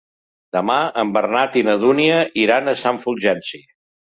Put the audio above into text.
Demà en Bernat i na Dúnia iran a Sant Fulgenci.